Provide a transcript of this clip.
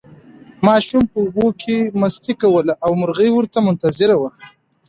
ماشومانو په اوبو کې مستي کوله او مرغۍ ورته منتظره وه.